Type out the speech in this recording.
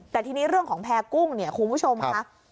แต่ทีนี้เรื่องของแพร่กุ้งคุณผู้ชมครับ